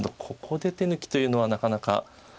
ここで手抜きというのはなかなか。